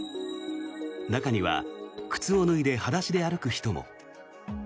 中には、靴を脱いで裸足で歩く人も。